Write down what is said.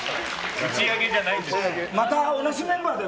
打ち上げじゃないんですよ。